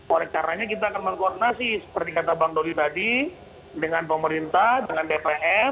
oleh karenanya kita akan mengkoordinasi seperti kata bang doli tadi dengan pemerintah dengan dpr